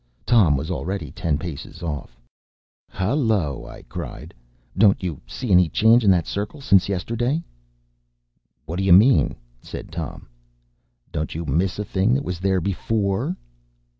Tom was already ten paces off. “Hollo!” I cried, “don’t you see any change in that circle since yesterday?” “What d’ ye mean?” said Tom. “Don’t you miss a thing that was there before?